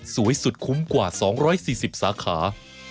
สวยสุดคุ้มกว่า๒๔๐สาขา